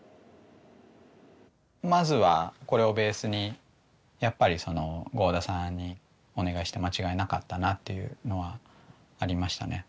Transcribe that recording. まずはこれをベースにやっぱりその合田さんにお願いして間違いなかったなっていうのはありましたね。